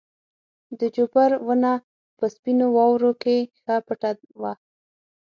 د جوپر ونه په سپینو واورو کې ښه پټه وه.